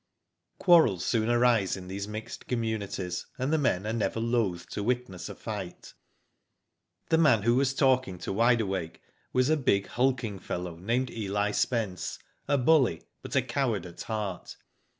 Quarrels soon arise in these mixed communities, and the men are never loth to witness a fight. The man who was talking to Wide Awake was a big, hulking fellow, named Eli Spence, a bully, but a coward at heart.